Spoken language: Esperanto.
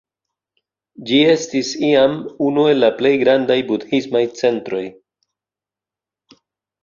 Ĝi estis iam unu el la plej grandaj budhismaj centroj.